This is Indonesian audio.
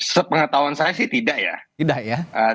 sepengetahuan saya sih tidak ya